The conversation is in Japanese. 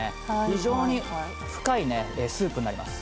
非常に深いスープになります。